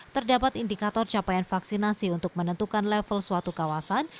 terdapat indikator capaian vaksinasi untuk menentukan level suatu kawasan